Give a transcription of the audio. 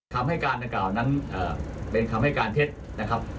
คำให้การดังกล่าวนั้นเป็นคำให้การเท็จนะครับ